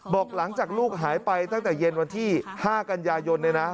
บอกหลังจากลูกหายไปตั้งแต่เย็นวันที่๕กันยายน